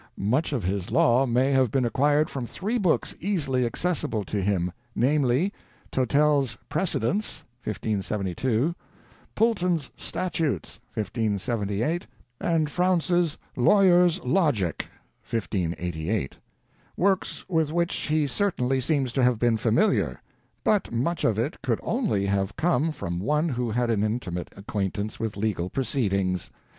Much of his law may have been acquired from three books easily accessible to him—namely, Tottell's Precedents (1572), Pulton's Statutes (1578), and Fraunce's Lawier's Logike (1588), works with which he certainly seems to have been familiar; but much of it could only have come from one who had an intimate acquaintance with legal proceedings.